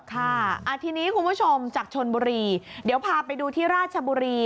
ค่ะทีนี้คุณผู้ชมจากชนบุรีเดี๋ยวพาไปดูที่ราชบุรี